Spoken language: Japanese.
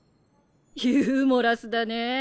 ユーモラスだね。